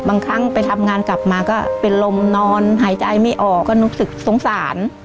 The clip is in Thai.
บางครั้งไปทำงานกลับมาก็เป็นลมนอนหายใจไม่ออกก็รู้สึกสงสาร